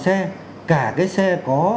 xe cả cái xe có